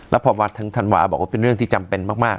แล้วพอมาถึงธันวาบอกว่าเป็นเรื่องที่จำเป็นมาก